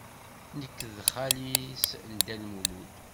Nekk d xali-s n Dda Lmulud.